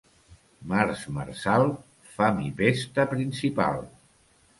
Març marçal, fam i pesta principal.